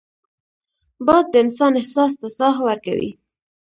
باد د انسان احساس ته ساه ورکوي